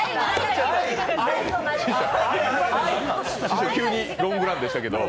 師匠、急にロングランでしたけど。